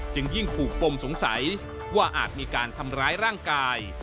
ยิ่งผูกปมสงสัยว่าอาจมีการทำร้ายร่างกาย